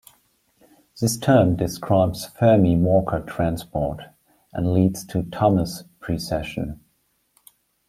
This term describes Fermi-Walker transport and leads to Thomas precession.